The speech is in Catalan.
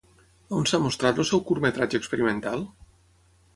A on s'ha mostrat el seu curtmetratge experimental?